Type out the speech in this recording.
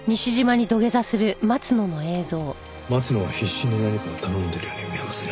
松野は必死に何かを頼んでるように見えますね。